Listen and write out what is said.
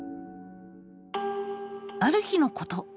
ある日のこと。